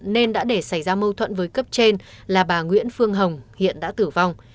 nên đã để xảy ra mâu thuẫn với cấp trên là bà nguyễn phương hồng hiện đã tử vong